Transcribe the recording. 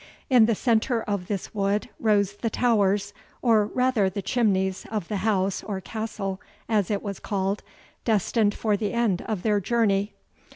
In the centre of this wood rose the towers, or rather the chimneys, of the house, or castle, as it was called, destined for the end of their journey.